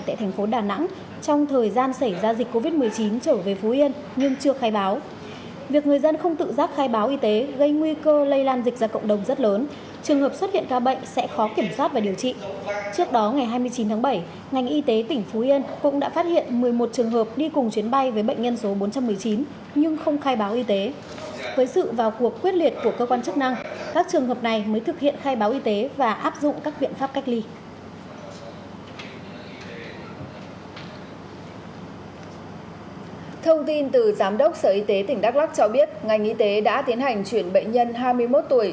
thông tin từ giám đốc sở y tế tỉnh đắk lắc cho biết ngành y tế đã tiến hành chuyển bệnh nhân hai mươi một tuổi